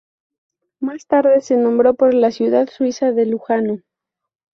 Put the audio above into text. Más tarde se nombró por la ciudad suiza de Lugano.